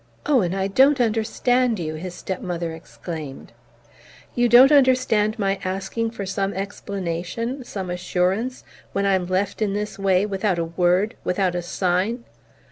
"Owen, I don't understand you!" his step mother exclaimed. "You don't understand my asking for some explanation, some assurance, when I'm left in this way, without a word, without a sign?